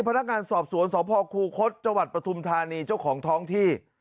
พนักงานสอบสวนสพครูคลจปทุมธานีเจ้าของท้องที่